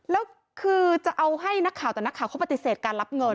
แล้วคือจะเอาให้นักข่าวแต่นักข่าวเขาปฏิเสธการรับเงิน